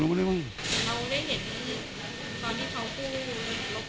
เราได้เห็นตอนที่เขากู้รถ